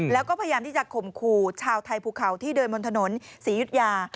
แล้วก็พยายามที่จะข่มขู่ชาวไทยภูเขาที่เดินบนถนนศรียุธยา